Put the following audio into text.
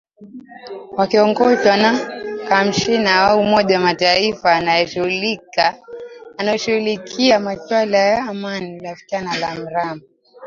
wakiongozwa na kamshina wa umoja mataifa anayeshughulikia maswala ya amani lapthan lamrama